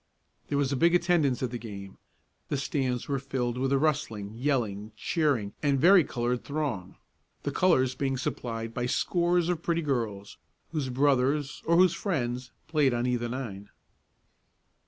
There was a big attendance at the game. The stands were filled with a rustling, yelling, cheering and vari colored throng the colors being supplied by scores of pretty girls, whose brothers, or whose friends, played on either nine.